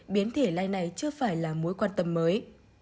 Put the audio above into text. biến thể lai này chưa phải là mối quan tâm mới